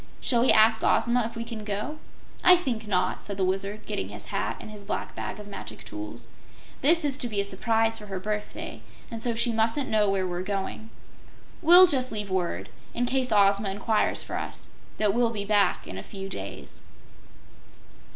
Shall we ask Ozma if we can go?" "I think not," said the Wizard, getting his hat and his black bag of magic tools. "This is to be a surprise for her birthday, and so she mustn't know where we're going. We'll just leave word, in case Ozma inquires for us, that we'll be back in a few days."